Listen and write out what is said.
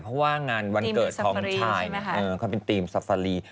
เพราะว่างานวันเกิดของชายเขาเป็นธีมซับฟารี